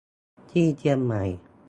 ที่เชียงใหม่